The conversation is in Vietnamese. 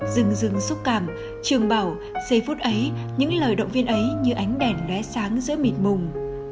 rừng dưng xúc cảm trường bảo giây phút ấy những lời động viên ấy như ánh đèn lé sáng giữa mịt mùng